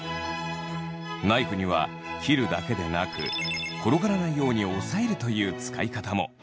ナイフには切るだけでなく転がらないように押さえるという使い方も。